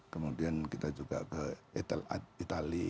kemudian kita juga ke itali